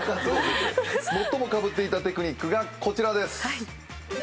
最もかぶっていたテクニックがこちらです。